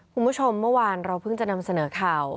คุณผู้ชมเมื่อวานเราเพิ่งจะนำเสนอข่าว